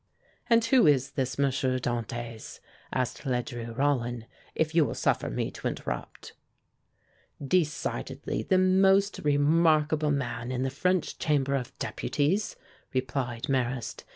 "And who is this M. Dantès," asked Ledru Rollin, "if you will suffer me to interrupt?" "Decidedly the most remarkable man in the French Chamber of Deputies," replied Marrast.